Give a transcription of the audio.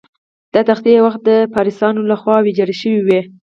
دا تختې یو وخت د پارسیانو له خوا ویجاړ شوې وې.